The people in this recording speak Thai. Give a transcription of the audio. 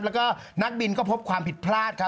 แล้วก็นักบินก็พบความผิดพลาดครับ